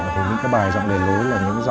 thì rằng là bên hỡi ơ ơ